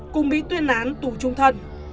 cùng bị tuyên án tù trung thân